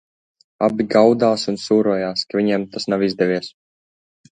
Abi gaudās un sūrojās, ka viņiem tas nav izdevies.